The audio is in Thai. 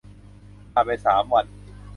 ผ่านไปสามวัน